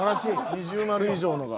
二重丸以上のが。